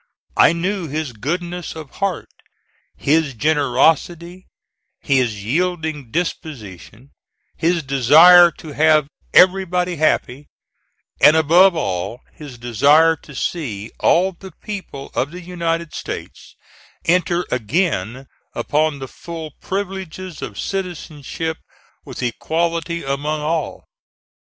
I knew his goodness of heart, his generosity, his yielding disposition, his desire to have everybody happy, and above all his desire to see all the people of the United States enter again upon the full privileges of citizenship with equality among all.